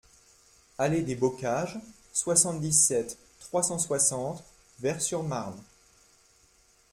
Allée des Bocages, soixante-dix-sept, trois cent soixante Vaires-sur-Marne